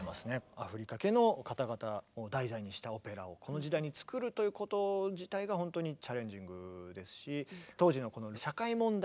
アフリカ系の方々を題材にしたオペラをこの時代に作るということ自体が本当にチャレンジングですし。